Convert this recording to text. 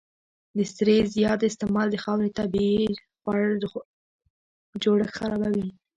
د سرې زیات استعمال د خاورې طبیعي جوړښت خرابوي.